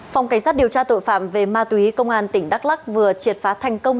phòng cảnh sát điều tra tội phạm về ma túy công an tỉnh đắk lắc vừa triệt phá thành công